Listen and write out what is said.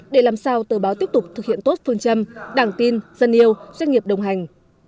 để làm sao tờ báo tiếp tục thực hiện tốt phương châm đảng tin dân yêu doanh nghiệp đồng hành